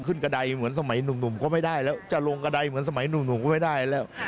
ขึ้นกระดายเหมือนสมัยหนุ่มก็ไม่ได้แล้ว